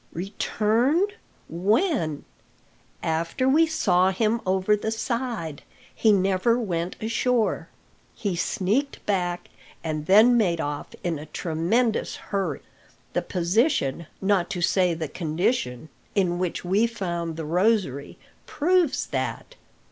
"Returned? When?" "After we saw him over the side; he never went ashore. He sneaked back, and then made off in a tremendous hurry. The position, not to say the condition, in which we found the rosary proves that.